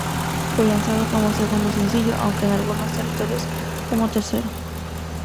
Fue lanzado como segundo sencillo, aunque en algunos territorios como tercero.